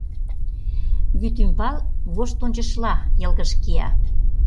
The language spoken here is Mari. Вӱд ӱмбал воштончышла йылгыж кия.